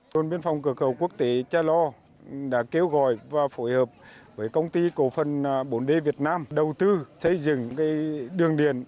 đồn biên phòng cửa khẩu quốc tế cha lo đã kêu gọi và phối hợp với công ty cổ phần bốn d việt nam đầu tư xây dựng đường điện